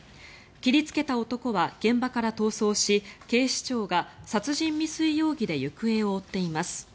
切りつけた男は現場から逃走し警視庁が殺人未遂容疑で行方を追っています。